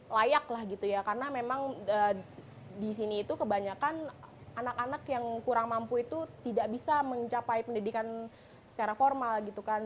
layak lah gitu ya karena memang di sini itu kebanyakan anak anak yang kurang mampu itu tidak bisa mencapai pendidikan secara formal gitu kan